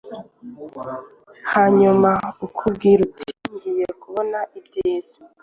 Hanyuma ukibwira uti “ngiye kubona ibyiza”